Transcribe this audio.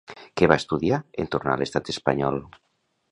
Què va estudiar en tornar a l'estat espanyol?